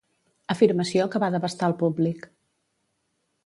Afirmació que va devastar el públic.